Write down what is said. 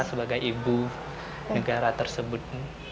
sebagai ibu negara tersebut